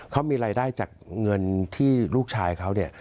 เขามีรายได้จากเงินเพราะที่ลูกชายเขา